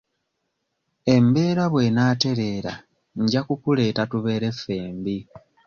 Embeera bw'enaatereera nja kukuleeta tubeere ffembi.